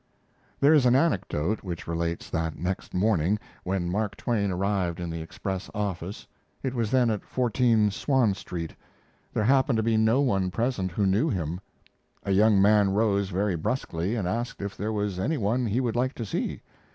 There is an anecdote which relates that next morning, when Mark Twain arrived in the Express office (it was then at 14 Swan Street), there happened to be no one present who knew him. A young man rose very bruskly and asked if there was any one he would like to see.